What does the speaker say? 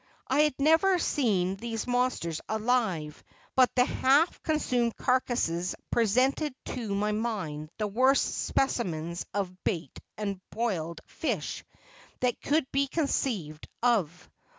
I had never seen these monsters alive, but the half consumed carcasses presented to my mind the worst specimens of baked and boiled fish that could be conceived of.